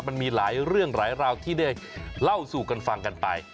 มันมีหลายเรื่องหลายราวที่ได้เล่าสู่กันฟังกันไป